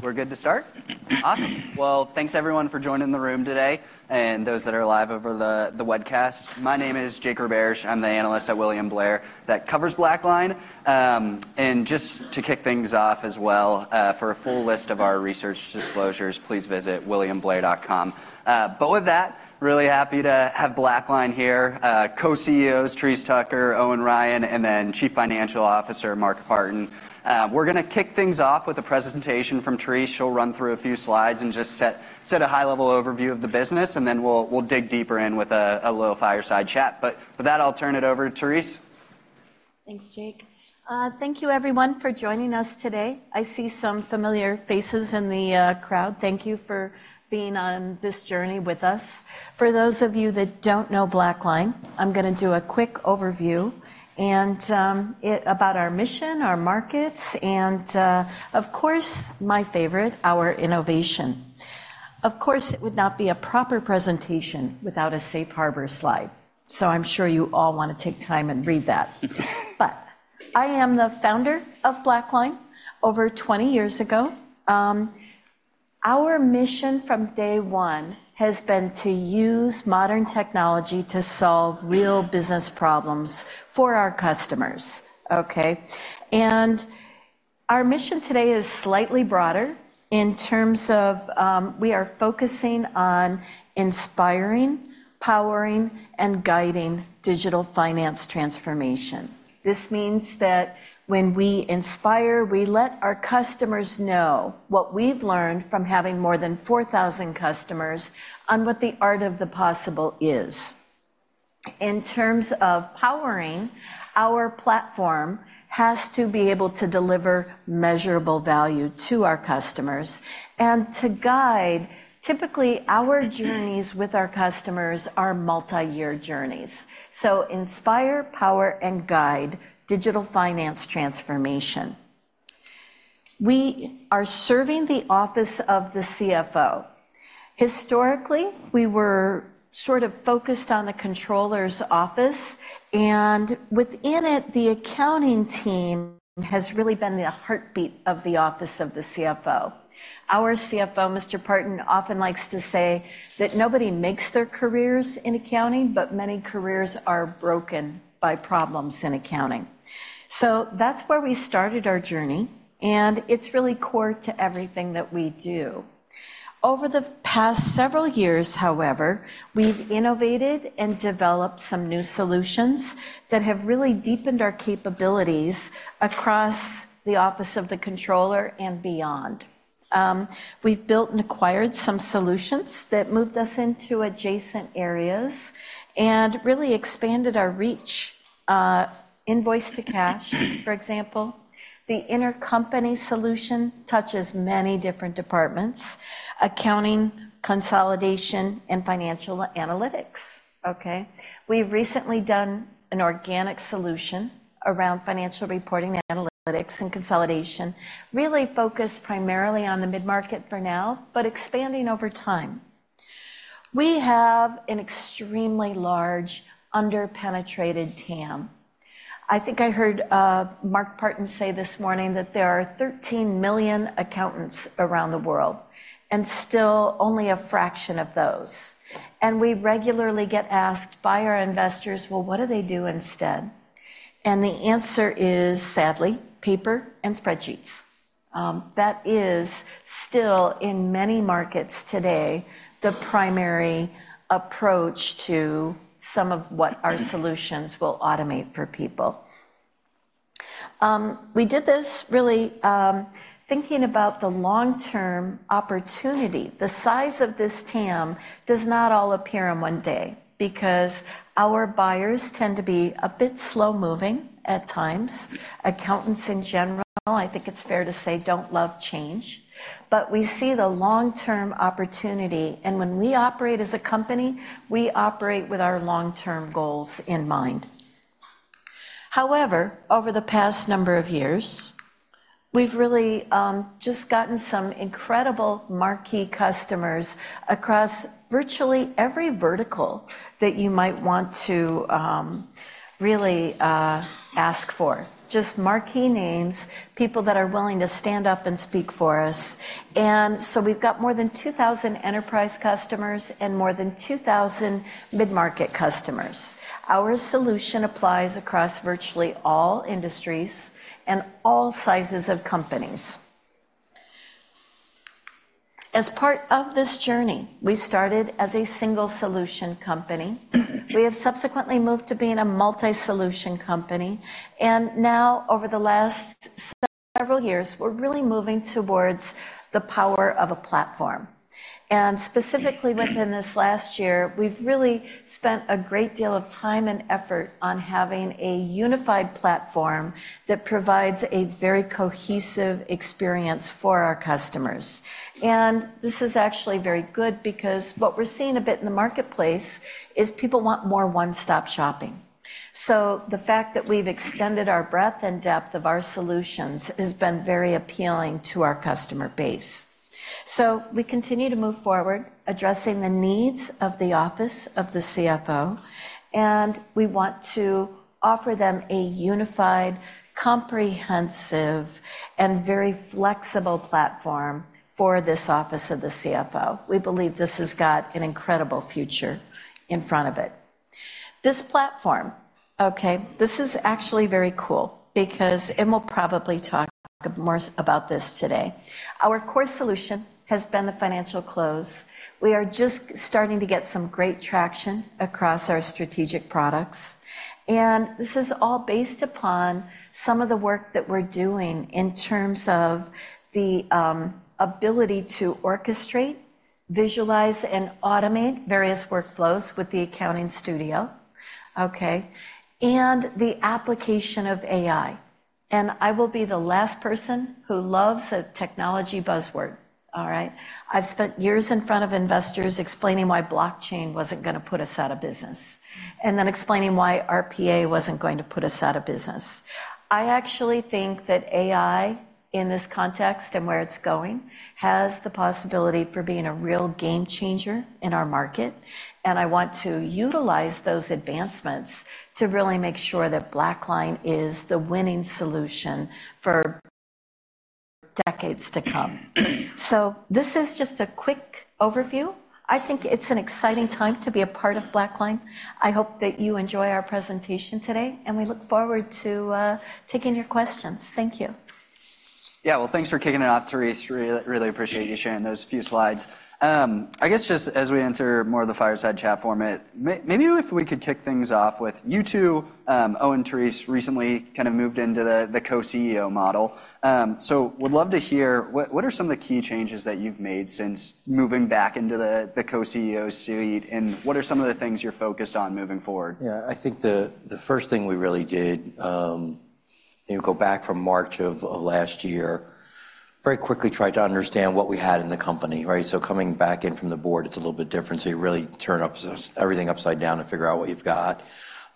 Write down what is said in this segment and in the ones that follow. We're good to start? Awesome. Well, thanks everyone for joining the room today, and those that are live over the webcast. My name is Jake Roberge. I'm the analyst at William Blair, that covers BlackLine. And just to kick things off as well, for a full list of our research disclosures, please visit williamblair.com. But with that, really happy to have BlackLine here. Co-CEOs, Therese Tucker, Owen Ryan, and then Chief Financial Officer, Mark Partin. We're gonna kick things off with a presentation from Therese. She'll run through a few slides and just set a high-level overview of the business, and then we'll dig deeper in with a little fireside chat. But with that, I'll turn it over to Therese. Thanks, Jake. Thank you everyone for joining us today. I see some familiar faces in the crowd. Thank you for being on this journey with us. For those of you that don't know BlackLine, I'm gonna do a quick overview and it about our mission, our markets, and of course, my favorite, our innovation. Of course, it would not be a proper presentation without a safe harbor slide, so I'm sure you all want to take time and read that. But I am the founder of BlackLine over 20 years ago. Our mission from day one has been to use modern technology to solve real business problems for our customers, okay? And our mission today is slightly broader in terms of, we are focusing on inspiring, powering, and guiding Digital Finance Transformation. This means that when we inspire, we let our customers know what we've learned from having more than 4,000 customers on what the art of the possible is. In terms of powering, our platform has to be able to deliver measurable value to our customers, and to guide, typically, our journeys with our customers are multi-year journeys. So inspire, power, and guide digital finance transformation. We are serving the office of the CFO. Historically, we were sort of focused on the controller's office, and within it, the accounting team has really been the heartbeat of the office of the CFO. Our CFO, Mr. Partin, often likes to say that nobody makes their careers in accounting, but many careers are broken by problems in accounting. So that's where we started our journey, and it's really core to everything that we do. Over the past several years, however, we've innovated and developed some new solutions that have really deepened our capabilities across the office of the controller and beyond. We've built and acquired some solutions that moved us into adjacent areas and really expanded our reach, Invoice-to-Cash, for example. The Intercompany solution touches many different departments: accounting, consolidation, and financial analytics, okay? We've recently done an organic solution around financial reporting, analytics, and consolidation, really focused primarily on the mid-market for now, but expanding over time. We have an extremely large, under-penetrated TAM. I think I heard Mark Partin say this morning that there are 13 million accountants around the world, and still only a fraction of those. We regularly get asked by our investors: Well, what do they do instead? The answer is, sadly, paper and spreadsheets. That is still, in many markets today, the primary approach to some of what our solutions will automate for people. We did this really, thinking about the long-term opportunity. The size of this TAM does not all appear in one day because our buyers tend to be a bit slow-moving at times. Accountants in general, I think it's fair to say, don't love change, but we see the long-term opportunity, and when we operate as a company, we operate with our long-term goals in mind. However, over the past number of years, we've really, just gotten some incredible marquee customers across virtually every vertical that you might want to, really, ask for. Just marquee names, people that are willing to stand up and speak for us. And so we've got more than 2,000 enterprise customers and more than 2,000 mid-market customers. Our solution applies across virtually all industries and all sizes of companies. As part of this journey, we started as a single-solution company. We have subsequently moved to being a multi-solution company, and now over the last several years, we're really moving towards the power of a platform. And specifically, within this last year, we've really spent a great deal of time and effort on having a unified platform that provides a very cohesive experience for our customers. And this is actually very good because what we're seeing a bit in the marketplace is people want more one-stop shopping. So the fact that we've extended our breadth and depth of our solutions has been very appealing to our customer base.... So we continue to move forward, addressing the needs of the office of the CFO, and we want to offer them a unified, comprehensive, and very flexible platform for this office of the CFO. We believe this has got an incredible future in front of it. This platform, okay, this is actually very cool because, and we'll probably talk more about this today. Our core solution has been the Financial Close. We are just starting to get some great traction across our strategic products, and this is all based upon some of the work that we're doing in terms of the ability to orchestrate, visualize, and automate various workflows with the Accounting Studio, okay, and the application of AI. And I will be the last person who loves a technology buzzword. All right? I've spent years in front of investors explaining why blockchain wasn't going to put us out of business, and then explaining why RPA wasn't going to put us out of business. I actually think that AI, in this context and where it's going, has the possibility for being a real game changer in our market, and I want to utilize those advancements to really make sure that BlackLine is the winning solution for decades to come. So this is just a quick overview. I think it's an exciting time to be a part of BlackLine. I hope that you enjoy our presentation today, and we look forward to taking your questions. Thank you. Yeah, well, thanks for kicking it off, Therese. Really appreciate you sharing those few slides. I guess just as we enter more of the fireside chat format, maybe if we could kick things off with you two, Owen and Therese, recently kind of moved into the co-CEO model. So would love to hear what are some of the key changes that you've made since moving back into the co-CEO suite, and what are some of the things you're focused on moving forward? Yeah, I think the first thing we really did, you go back from March of last year, very quickly tried to understand what we had in the company, right? So coming back in from the board, it's a little bit different, so you really turn up, everything upside down and figure out what you've got.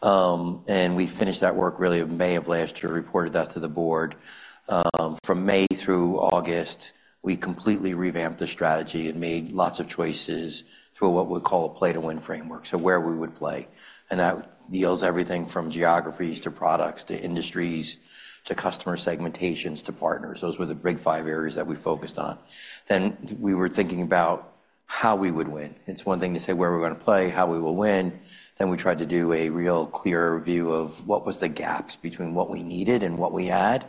And we finished that work really in May of last year, reported that to the board. From May through August, we completely revamped the strategy and made lots of choices through what we call a play-to-win framework, so where we would play. And that deals everything from geographies, to products, to industries, to customer segmentations, to partners. Those were the big five areas that we focused on. Then we were thinking about how we would win. It's one thing to say where we're going to play, how we will win. Then we tried to do a real clear view of what was the gaps between what we needed and what we had,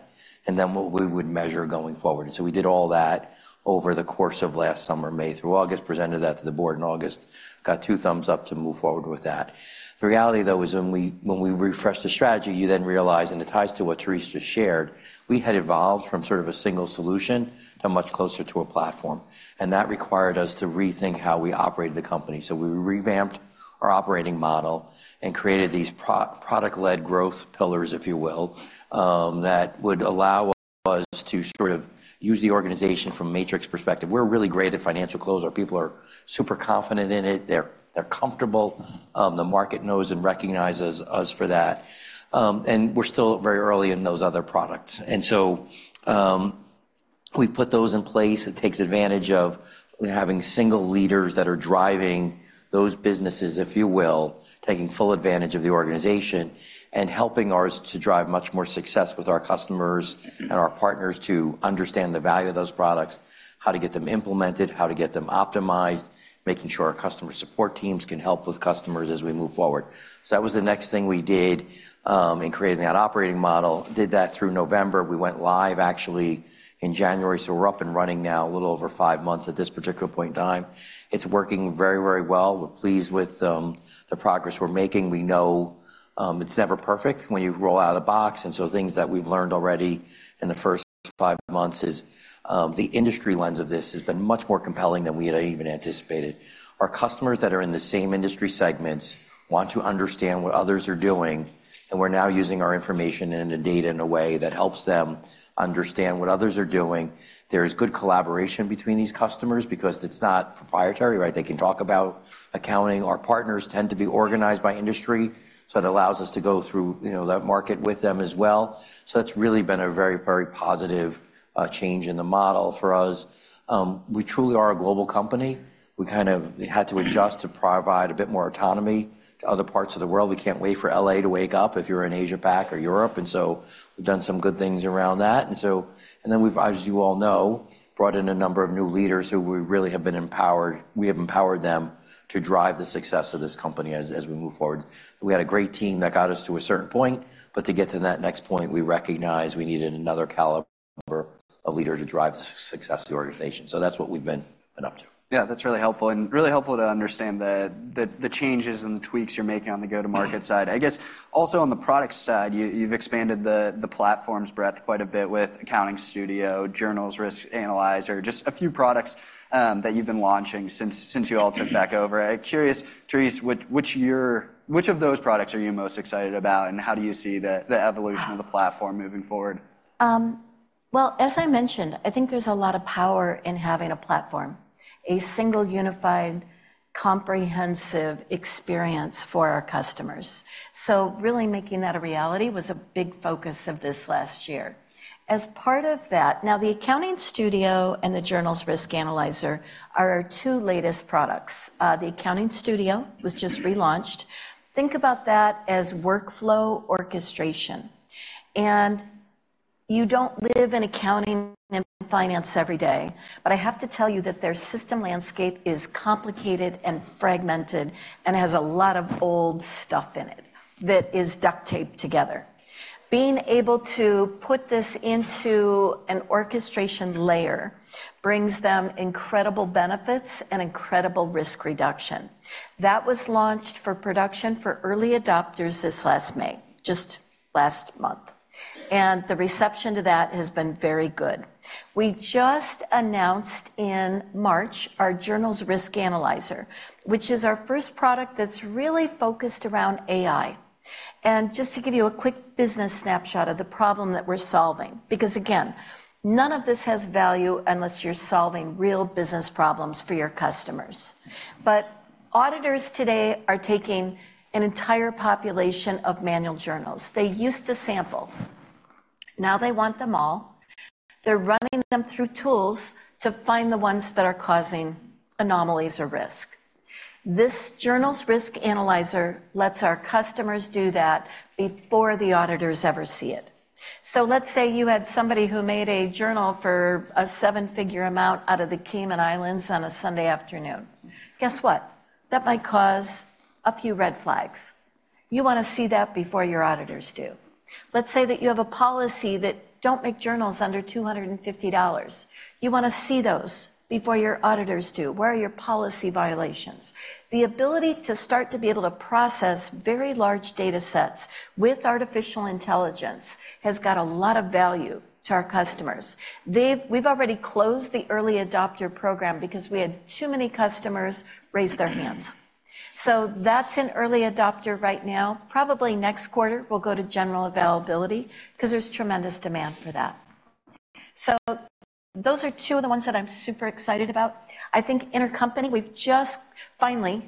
and then what we would measure going forward. And so we did all that over the course of last summer, May through August, presented that to the board in August, got two thumbs up to move forward with that. The reality, though, is when we refreshed the strategy, you then realize, and it ties to what Therese just shared, we had evolved from sort of a single solution to much closer to a platform, and that required us to rethink how we operated the company. So we revamped our operating model and created these product-led growth pillars, if you will, that would allow us to sort of use the organization from a matrix perspective. We're really great at financial close. Our people are super confident in it. They're comfortable. The market knows and recognizes us for that. And we're still very early in those other products. And so, we put those in place. It takes advantage of we're having single leaders that are driving those businesses, if you will, taking full advantage of the organization and helping ours to drive much more success with our customers and our partners to understand the value of those products, how to get them implemented, how to get them optimized, making sure our customer support teams can help with customers as we move forward. So that was the next thing we did, in creating that operating model. Did that through November. We went live, actually, in January, so we're up and running now a little over five months at this particular point in time. It's working very, very well. We're pleased with the progress we're making. We know it's never perfect when you roll out of the box, and so things that we've learned already in the first five months is the industry lens of this has been much more compelling than we had even anticipated. Our customers that are in the same industry segments want to understand what others are doing, and we're now using our information and the data in a way that helps them understand what others are doing. There is good collaboration between these customers because it's not proprietary, right? They can talk about accounting. Our partners tend to be organized by industry, so it allows us to go through, you know, that market with them as well. So it's really been a very, very positive change in the model for us. We truly are a global company. We kind of had to adjust to provide a bit more autonomy to other parts of the world. We can't wait for L.A. to wake up if you're in Asia Pac or Europe, and so we've done some good things around that. And then we've, as you all know, brought in a number of new leaders who we have empowered to drive the success of this company as we move forward. We had a great team that got us to a certain point, but to get to that next point, we recognized we needed another caliber of leader to drive the success of the organization. So that's what we've been up to. Yeah, that's really helpful and really helpful to understand the changes and the tweaks you're making on the go-to-market side. I guess also on the product side, you've expanded the platform's breadth quite a bit with Accounting Studio, Journal Risk Analyzer, just a few products that you've been launching since you all took back over. I'm curious, Therese, which of those products are you most excited about, and how do you see the evolution of the platform moving forward? Well, as I mentioned, I think there's a lot of power in having a platform, a single, unified, comprehensive experience for our customers. So really making that a reality was a big focus of this last year. As part of that, now, the Accounting Studio and the Journal Risk Analyzer are our two latest products. The Accounting Studio was just relaunched. Think about that as workflow orchestration, and you don't live in accounting and finance every day, but I have to tell you that their system landscape is complicated and fragmented and has a lot of old stuff in it that is duct-taped together. Being able to put this into an orchestration layer brings them incredible benefits and incredible risk reduction. That was launched for production for early adopters this last May, just last month, and the reception to that has been very good. We just announced in March our Journal Risk Analyzer, which is our first product that's really focused around AI. And just to give you a quick business snapshot of the problem that we're solving, because, again, none of this has value unless you're solving real business problems for your customers. But auditors today are taking an entire population of manual journals. They used to sample, now they want them all. They're running them through tools to find the ones that are causing anomalies or risk. This Journal Risk Analyzer lets our customers do that before the auditors ever see it. So let's say you had somebody who made a journal for a seven-figure amount out of the Cayman Islands on a Sunday afternoon. Guess what? That might cause a few red flags. You want to see that before your auditors do. Let's say that you have a policy that don't make journals under $250. You want to see those before your auditors do. Where are your policy violations? The ability to start to be able to process very large datasets with artificial intelligence has got a lot of value to our customers. We've already closed the early adopter program because we had too many customers raise their hands. So that's an early adopter right now. Probably next quarter, we'll go to general availability because there's tremendous demand for that. So those are two of the ones that I'm super excited about. I think Intercompany, we've just finally,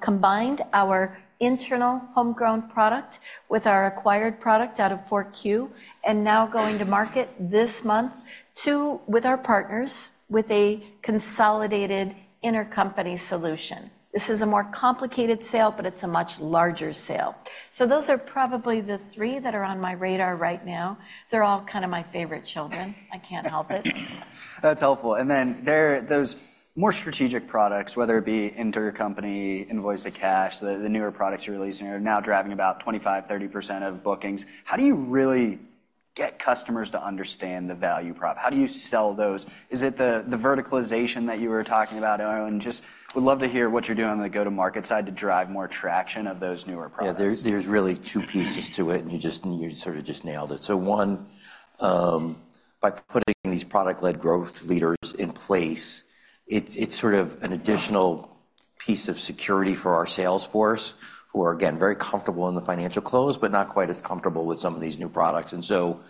combined our internal homegrown product with our acquired product out of FourQ, and now going to market this month with our partners with a consolidated Intercompany solution. This is a more complicated sale, but it's a much larger sale. So those are probably the three that are on my radar right now. They're all kind of my favorite children. I can't help it. That's helpful. And then there, those more strategic products, whether it be Intercompany, Invoice-to-Cash, the, the newer products you're releasing are now driving about 25%-30% of bookings. How do you really get customers to understand the value prop? How do you sell those? Is it the, the verticalization that you were talking about, Aaron? Just would love to hear what you're doing on the go-to-market side to drive more traction of those newer products. Yeah, there's really two pieces to it, and you just, you sort of just nailed it. So one, by putting these product-led growth leaders in place, it's sort of an additional piece of security for our sales force, who are, again, very comfortable in the financial close, but not quite as comfortable with some of these new products. And so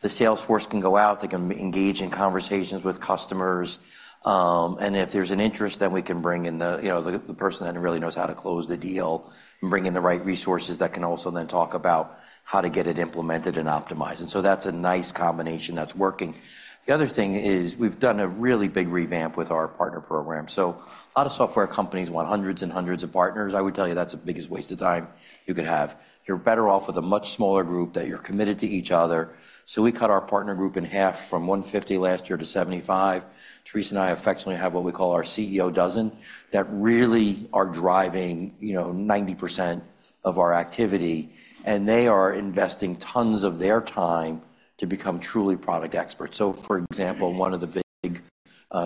the sales force can go out, they can engage in conversations with customers, and if there's an interest, then we can bring in the, you know, the person that really knows how to close the deal and bring in the right resources that can also then talk about how to get it implemented and optimized. And so that's a nice combination that's working. The other thing is, we've done a really big revamp with our partner program. So a lot of software companies want hundreds and hundreds of partners. I would tell you that's the biggest waste of time you could have. You're better off with a much smaller group that you're committed to each other. So we cut our partner group in half from 150 last year to 75. Therese and I affectionately have what we call our CEO dozen, that really are driving, you know, 90% of our activity, and they are investing tons of their time to become truly product experts. So, for example, one of the big,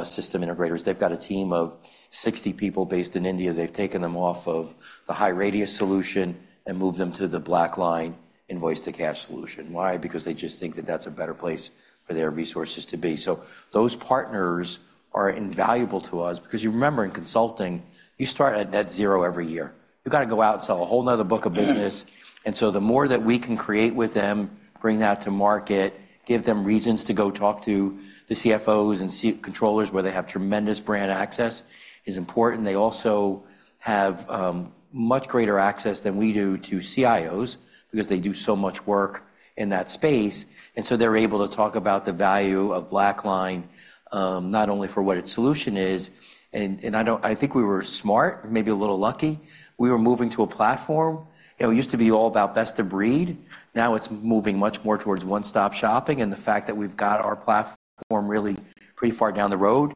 system integrators, they've got a team of 60 people based in India. They've taken them off of the HighRadius solution and moved them to the BlackLine Invoice-to-Cash solution. Why? Because they just think that that's a better place for their resources to be. So those partners are invaluable to us because you remember in consulting, you start at zero every year. You've got to go out and sell a whole another book of business. So the more that we can create with them, bring that to market, give them reasons to go talk to the CFOs and controllers, where they have tremendous brand access, is important. They also have much greater access than we do to CIOs because they do so much work in that space, and so they're able to talk about the value of BlackLine, not only for what its solution is. And I think we were smart, maybe a little lucky. We were moving to a platform. It used to be all about best of breed. Now it's moving much more towards one-stop shopping, and the fact that we've got our platform really pretty far down the road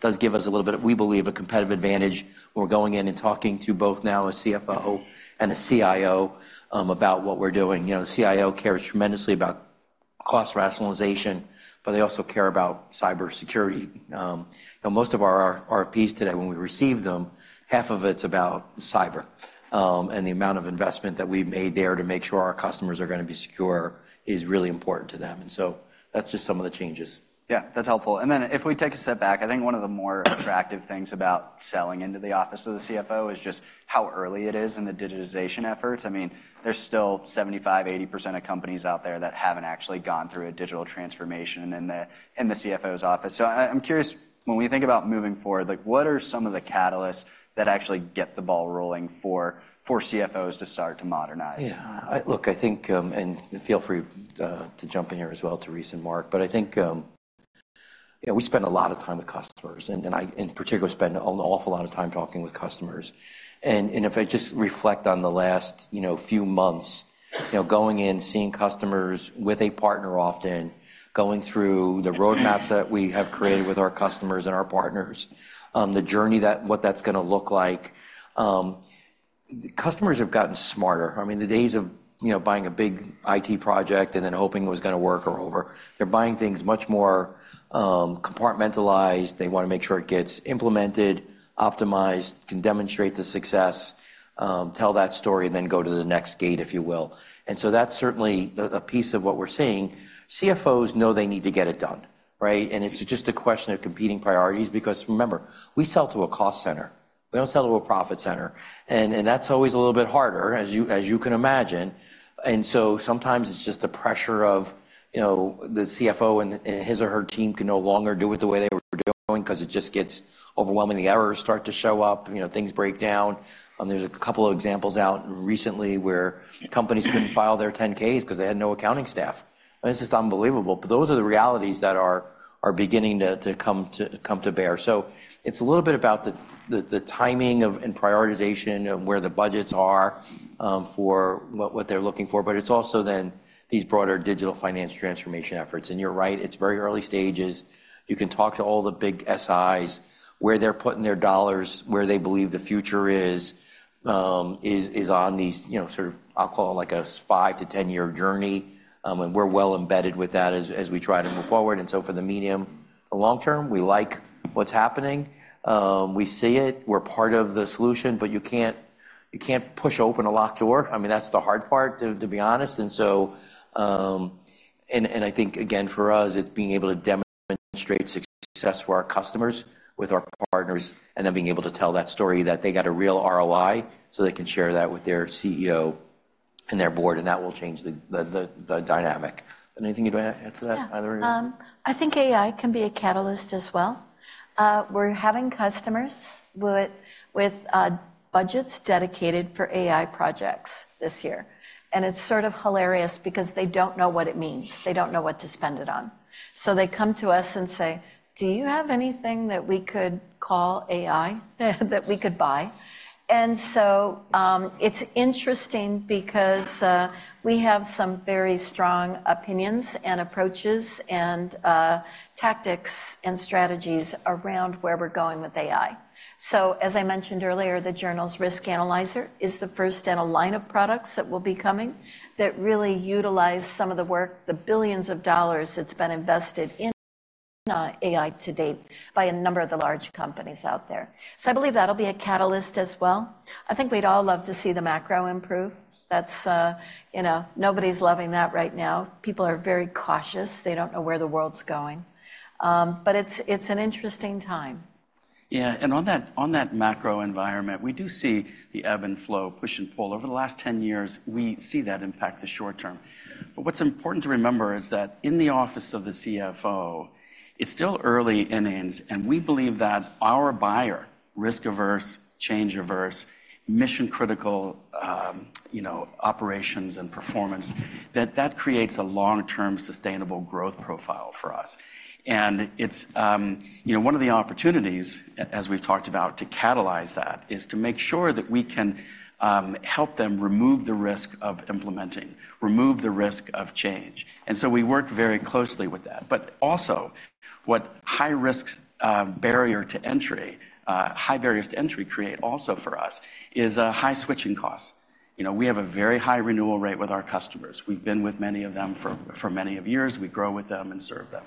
does give us a little bit, we believe, a competitive advantage when we're going in and talking to both now a CFO and a CIO about what we're doing. You know, the CIO cares tremendously about cost rationalization, but they also care about cybersecurity. And most of our RFPs today, when we receive them, half of it's about cyber. And the amount of investment that we've made there to make sure our customers are going to be secure is really important to them. And so that's just some of the changes. Yeah, that's helpful. Then if we take a step back, I think one of the more attractive things about selling into the office of the CFO is just how early it is in the digitization efforts. I mean, there's still 75%-80% of companies out there that haven't actually gone through a digital transformation in the CFO's office. So I'm curious, when we think about moving forward, like, what are some of the catalysts that actually get the ball rolling for CFOs to start to modernize? Yeah. Look, I think... And feel free to jump in here as well, Therese and Mark. But I think... Yeah, we spend a lot of time with customers, and, and I, in particular, spend an awful lot of time talking with customers. And, and if I just reflect on the last, you know, few months, you know, going in, seeing customers with a partner often, going through the roadmaps that we have created with our customers and our partners, the journey that- what that's going to look like. Customers have gotten smarter. I mean, the days of, you know, buying a big IT project and then hoping it was going to work are over. They're buying things much more, compartmentalized. They want to make sure it gets implemented, optimized, can demonstrate the success, tell that story, and then go to the next gate, if you will. And so that's certainly a piece of what we're seeing. CFOs know they need to get it done, right? And it's just a question of competing priorities because remember, we sell to a cost center. We don't sell to a profit center, and that's always a little bit harder, as you can imagine. And so sometimes it's just the pressure of, you know, the CFO and his or her team can no longer do it the way they were doing because it just gets overwhelming. The errors start to show up, you know, things break down. There's a couple of examples out recently where companies couldn't file their 10-Ks because they had no accounting staff, and it's just unbelievable. But those are the realities that are beginning to come to bear. So it's a little bit about the timing of, and prioritization of where the budgets are, for what they're looking for, but it's also then these broader Digital Finance Transformation efforts. And you're right, it's very early stages. You can talk to all the big SIs, where they're putting their dollars, where they believe the future is, on these, you know, sort of, I'll call it like a 5- to 10-year journey. And we're well embedded with that as we try to move forward. And so for the medium long term, we like what's happening. We see it, we're part of the solution, but you can't, you can't push open a locked door. I mean, that's the hard part, to be honest. And so... And, and I think, again, for us, it's being able to demonstrate success for our customers, with our partners, and then being able to tell that story that they got a real ROI, so they can share that with their CEO and their board, and that will change the dynamic. Anything you'd add to that, Therese? Yeah. I think AI can be a catalyst as well. We're having customers with budgets dedicated for AI projects this year, and it's sort of hilarious because they don't know what it means. They don't know what to spend it on. So they come to us and say: Do you have anything that we could call AI, that we could buy? And so, it's interesting because, we have some very strong opinions and approaches and tactics and strategies around where we're going with AI. So as I mentioned earlier, the Journal Risk Analyzer is the first in a line of products that will be coming that really utilize some of the work, the $ billions that's been invested in AI to date by a number of the large companies out there. So I believe that'll be a catalyst as well. I think we'd all love to see the macro improve. That's, you know, nobody's loving that right now. People are very cautious. They don't know where the world's going. But it's an interesting time. Yeah, and on that, on that macro environment, we do see the ebb and flow, push and pull. Over the last 10 years, we see that impact the short term. But what's important to remember is that in the office of the CFO, it's still early innings, and we believe that our buyer, risk-averse, change-averse, mission-critical, you know, operations and performance, that that creates a long-term sustainable growth profile for us. And it's, you know, one of the opportunities, as we've talked about, to catalyze that, is to make sure that we can, help them remove the risk of implementing, remove the risk of change. And so we work very closely with that. But also, what high risks, barrier to entry, high barriers to entry create also for us is, high switching costs. You know, we have a very high renewal rate with our customers. We've been with many of them for many of years. We grow with them and serve them.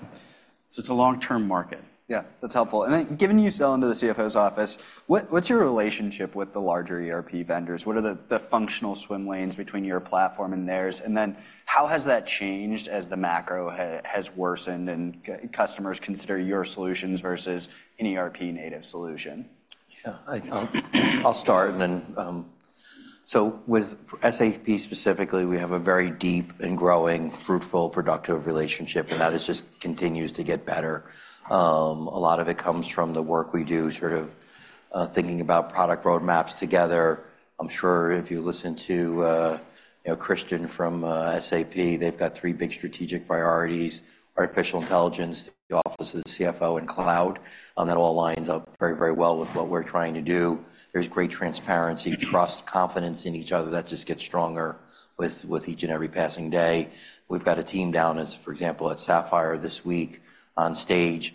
So it's a long-term market. Yeah, that's helpful. And then, given you sell into the CFO's office, what's your relationship with the larger ERP vendors? What are the functional swim lanes between your platform and theirs? And then how has that changed as the macro has worsened and customers consider your solutions versus an ERP-native solution? Yeah, I, I'll start and then... So with SAP specifically, we have a very deep and growing, fruitful, productive relationship, and that just continues to get better. A lot of it comes from the work we do, thinking about product roadmaps together. I'm sure if you listen to, you know, Christian from, SAP, they've got three big strategic priorities: artificial intelligence, the office of the CFO, and cloud. That all lines up very, very well with what we're trying to do. There's great transparency, trust, confidence in each other that just gets stronger with, with each and every passing day. We've got a team down, as for example, at Sapphire this week on stage.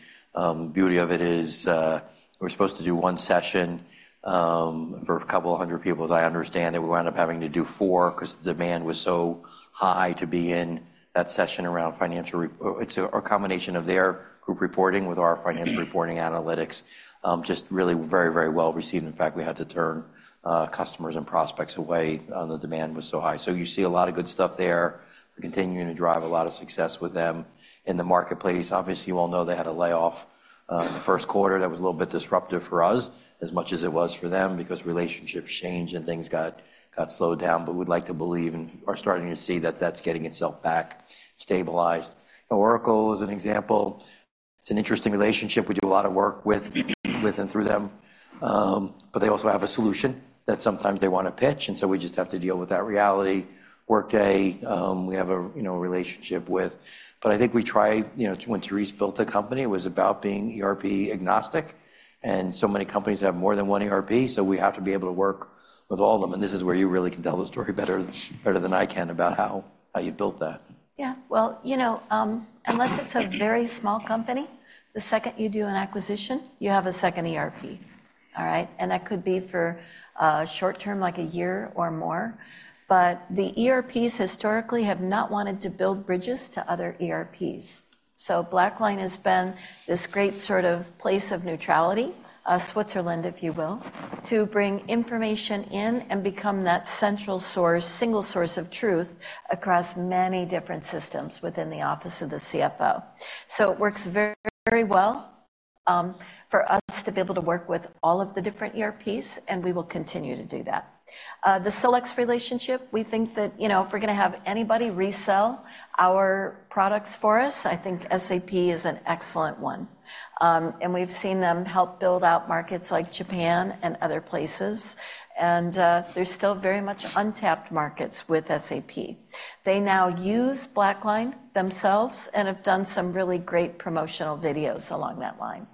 Beauty of it is, we're supposed to do one session for a couple of hundred people. As I understand it, we wound up having to do four because the demand was so high to be in that session around financial it's a combination of their group reporting with our Financial Reporting Analytics. Just really very, very well received. In fact, we had to turn customers and prospects away, the demand was so high. So you see a lot of good stuff there. We're continuing to drive a lot of success with them in the marketplace. Obviously, you all know they had a layoff in the first quarter. That was a little bit disruptive for us as much as it was for them because relationships change and things got slowed down. But we'd like to believe and are starting to see that that's getting itself back stabilized. Oracle is an example. It's an interesting relationship. We do a lot of work with and through them, but they also have a solution that sometimes they want to pitch, and so we just have to deal with that reality. Workday, we have a, you know, relationship with. But I think we tried, you know, when Therese built the company, it was about being ERP-agnostic, and so many companies have more than one ERP, so we have to be able to work with all of them. And this is where you really can tell the story better, better than I can about how, how you built that. Yeah. Well, you know, unless it's a very small company, the second you do an acquisition, you have a second ERP. All right? And that could be for a short term, like a year or more. But the ERPs historically have not wanted to build bridges to other ERPs. So BlackLine has been this great sort of place of neutrality, a Switzerland, if you will, to bring information in and become that central source, single source of truth across many different systems within the office of the CFO. So it works very, very well, for us to be able to work with all of the different ERPs, and we will continue to do that. The SolEx relationship, we think that, you know, if we're going to have anybody resell our products for us, I think SAP is an excellent one. And we've seen them help build out markets like Japan and other places, and there's still very much untapped markets with SAP. They now use BlackLine themselves and have done some really great promotional videos along that line.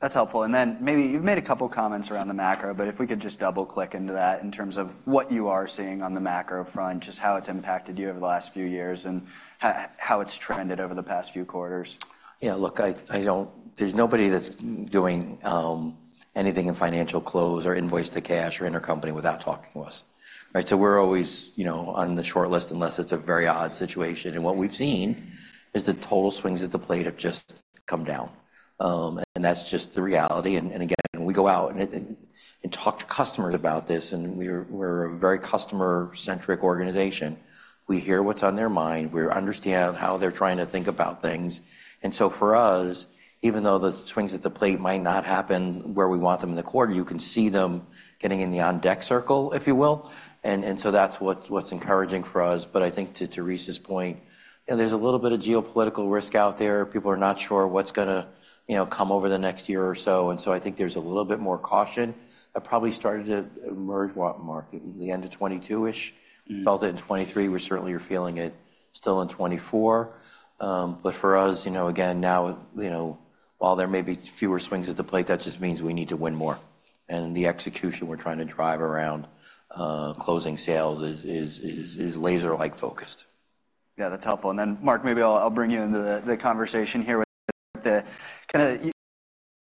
That's helpful. Then maybe you've made a couple comments around the macro, but if we could just double-click into that in terms of what you are seeing on the macro front, just how it's impacted you over the last few years and how it's trended over the past few quarters. Yeah, look, I don't, there's nobody that's doing anything in Financial Close or Invoice-to-Cash or Intercompany without talking to us, right? So we're always, you know, on the shortlist, unless it's a very odd situation. And what we've seen is the total swings at the plate have just come down, and that's just the reality. And again, we go out and talk to customers about this, and we're a very customer-centric organization. We hear what's on their mind, we understand how they're trying to think about things. And so for us, even though the swings at the plate might not happen where we want them in the quarter, you can see them getting in the on-deck circle, if you will. And so that's what's encouraging for us. But I think to Therese's point, you know, there's a little bit of geopolitical risk out there. People are not sure what's going to, you know, come over the next year or so, and so I think there's a little bit more caution. That probably started to emerge what market? The end of 2022-ish. Mm. Felt it in 2023. We certainly are feeling it still in 2024. But for us, you know, again, now, you know, while there may be fewer swings at the plate, that just means we need to win more. And the execution we're trying to drive around closing sales is laser-like focused. Yeah, that's helpful. And then, Mark, maybe I'll bring you into the conversation here with the... Kinda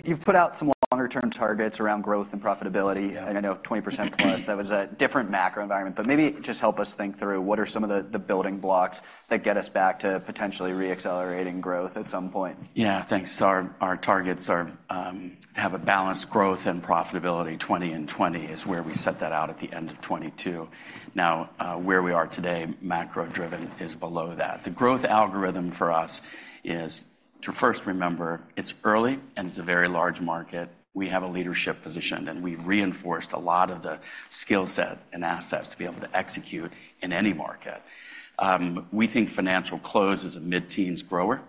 you've put out some longer-term targets around growth and profitability. Yeah. I know 20%+, that was a different macro environment, but maybe just help us think through what are some of the building blocks that get us back to potentially re-accelerating growth at some point? Yeah, thanks. Our targets are to have a balanced growth and profitability. 20 and 20 is where we set that out at the end of 2022. Now, where we are today, macro-driven, is below that. The growth algorithm for us is to first remember it's early and it's a very large market. We have a leadership position, and we've reinforced a lot of the skill set and assets to be able to execute in any market. We think financial close is a mid-teens grower.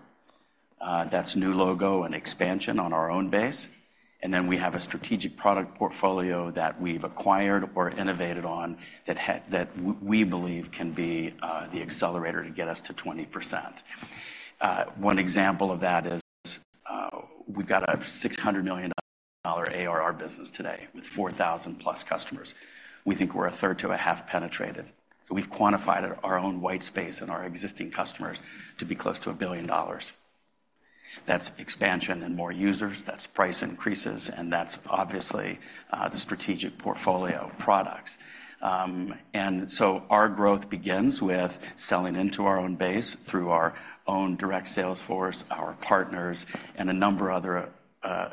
That's new logo and expansion on our own base. And then we have a strategic product portfolio that we've acquired or innovated on that we believe can be the accelerator to get us to 20%. One example of that is, we've got a $600 million ARR business today with 4,000+ customers. We think we're a third to a half penetrated. So we've quantified our own white space and our existing customers to be close to $1 billion. That's expansion and more users, that's price increases, and that's obviously, the strategic portfolio of products. And so our growth begins with selling into our own base through our own direct sales force, our partners, and a number of other,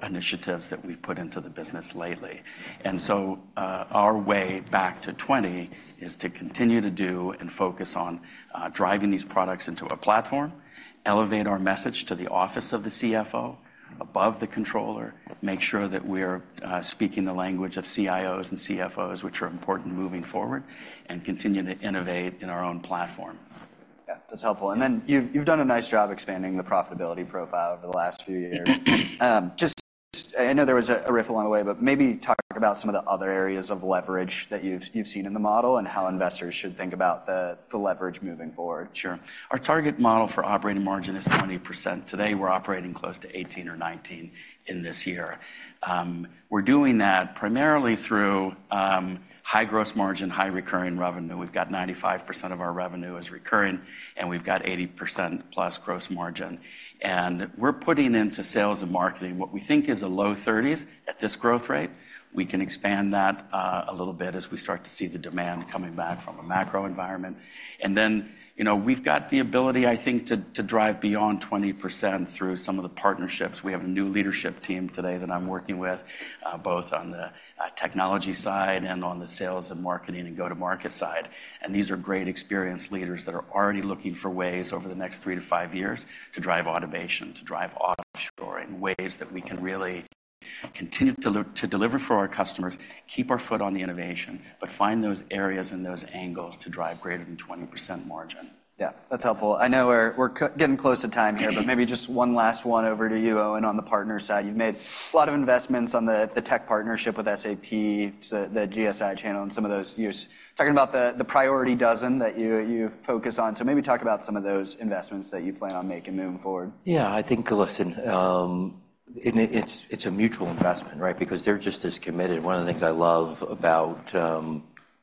initiatives that we've put into the business lately. And so, our way back to 20 is to continue to do and focus on, driving these products into a platform, elevate our message to the office of the CFO above the controller, make sure that we're, speaking the language of CIOs and CFOs, which are important moving forward, and continue to innovate in our own platform. Yeah, that's helpful. And then you've done a nice job expanding the profitability profile over the last few years. Just, I know there was a rift along the way, but maybe talk about some of the other areas of leverage that you've seen in the model and how investors should think about the leverage moving forward. Sure. Our target model for operating margin is 20%. Today, we're operating close to 18 or 19 in this year. We're doing that primarily through high gross margin, high recurring revenue. We've got 95% of our revenue as recurring, and we've got 80%+ gross margin. And we're putting into sales and marketing what we think is a low 30s at this growth rate. We can expand that a little bit as we start to see the demand coming back from a macro environment. And then, you know, we've got the ability, I think, to drive beyond 20% through some of the partnerships. We have a new leadership team today that I'm working with both on the technology side and on the sales and marketing and go-to-market side. These are great, experienced leaders that are already looking for ways over the next 3-5 years to drive automation, to drive offshoring, ways that we can really continue to deliver for our customers, keep our foot on the innovation, but find those areas and those angles to drive greater than 20% margin. Yeah, that's helpful. I know we're getting close to time here, but maybe just one last one over to you, Owen, on the partner side. You've made a lot of investments on the tech partnership with SAP, the GSI channel, and some of those you're talking about the priority dozen that you focus on. So maybe talk about some of those investments that you plan on making moving forward. Yeah, I think, listen, and it's a mutual investment, right? Because they're just as committed. One of the things I love about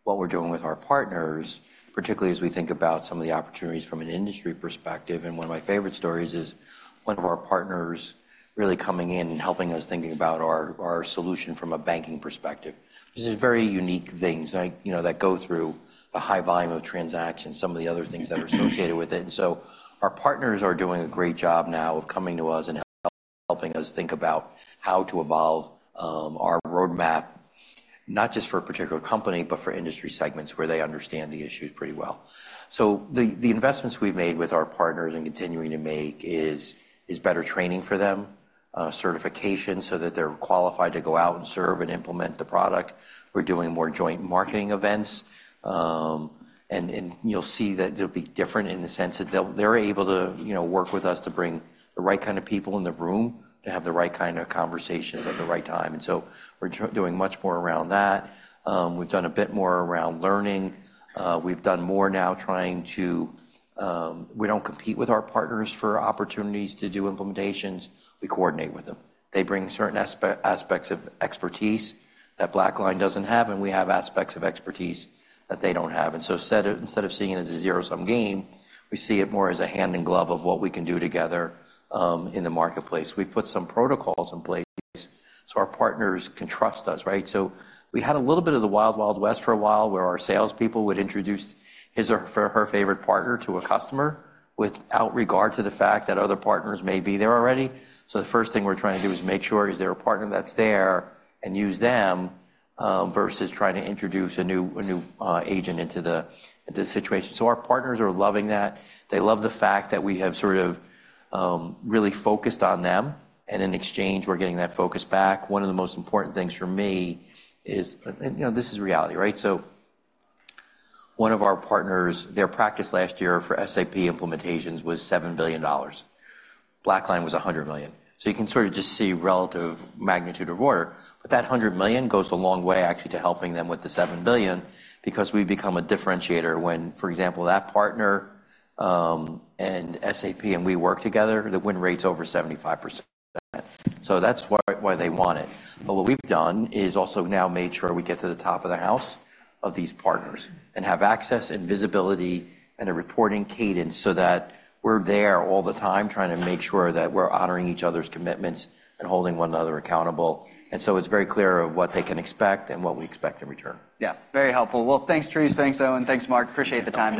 what we're doing with our partners, particularly as we think about some of the opportunities from an industry perspective, and one of my favorite stories is one of our partners really coming in and helping us thinking about our solution from a banking perspective. These are very unique things, like, you know, that go through a high volume of transactions, some of the other things that are associated with it. And so our partners are doing a great job now of coming to us and helping us think about how to evolve our roadmap, not just for a particular company, but for industry segments where they understand the issues pretty well. So the investments we've made with our partners and continuing to make is better training for them, certification, so that they're qualified to go out and serve and implement the product. We're doing more joint marketing events, and you'll see that they'll be different in the sense that they'll... They're able to, you know, work with us to bring the right kind of people in the room to have the right kind of conversations at the right time. And so we're doing much more around that. We've done a bit more around learning. We've done more now trying to... We don't compete with our partners for opportunities to do implementations, we coordinate with them. They bring certain aspects of expertise that BlackLine doesn't have, and we have aspects of expertise that they don't have. Instead of seeing it as a zero-sum game, we see it more as a hand in glove of what we can do together in the marketplace. We've put some protocols in place so our partners can trust us, right? We had a little bit of the Wild Wild West for a while, where our salespeople would introduce his or her favorite partner to a customer without regard to the fact that other partners may be there already. The first thing we're trying to do is make sure there is a partner that's there and use them versus trying to introduce a new agent into the situation. Our partners are loving that. They love the fact that we have sort of really focused on them, and in exchange, we're getting that focus back. One of the most important things for me is... And you know, this is reality, right? So one of our partners, their practice last year for SAP implementations was $7 billion. BlackLine was $100 million. So you can sort of just see relative magnitude of order, but that $100 million goes a long way, actually, to helping them with the $7 billion, because we've become a differentiator when, for example, that partner, and SAP, and we work together, the win rate's over 75%. So that's why they want it. But what we've done is also now made sure we get to the top of the house of these partners and have access and visibility and a reporting cadence so that we're there all the time, trying to make sure that we're honoring each other's commitments and holding one another accountable. It's very clear of what they can expect and what we expect in return. Yeah, very helpful. Well, thanks, Therese. Thanks, Owen. Thanks, Mark. Appreciate the time today.